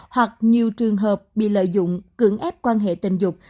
hoặc nhiều trường hợp bị lợi dụng cưỡng ép quan hệ tình dục